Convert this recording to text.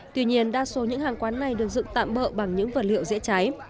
tuy nhiên đa số những hàng quán này được dựng tạm bỡ bằng những vật liệu dễ cháy